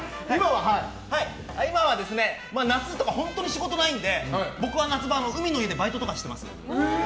今は夏とか本当に仕事がないので僕は夏場、海の家でバイトとかしてます。